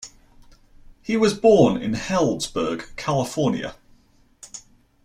He was born in Healdsburg, California.